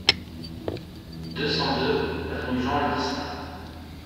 deux cent deux avenue Jean Lurçat